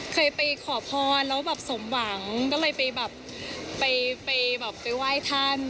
เคยไปขอพรแล้วแบบสมหวังก็เลยไปแบบไปแบบไปไหว้ท่าน